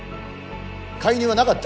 介入はなかった。